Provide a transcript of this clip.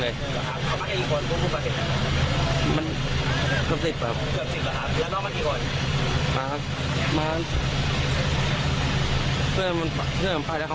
แม่โชคดีนะไม่ถึงตายนะ